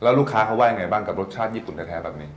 ลูกค้าเขาว่ายังไงบ้างกับรสชาติญี่ปุ่นแท้แบบนี้